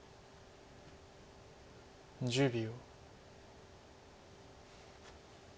１０秒。